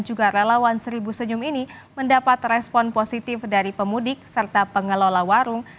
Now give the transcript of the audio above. juga relawan seribu senyum ini mendapat respon positif dari pemudik serta pengelola warung